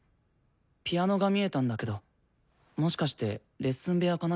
ピアノが見えたんだけどもしかしてレッスン部屋か何か？